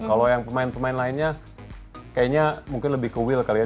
kalau yang pemain pemain lainnya kayaknya mungkin lebih ke will kali ya